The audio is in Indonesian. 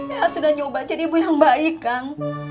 ya sudah nyoba jadi ibu yang baik kan